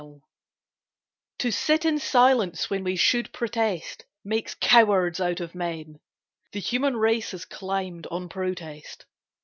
PROTEST TO sit in silence when we should protest Makes cowards out of men. The human race Has climbed on protest.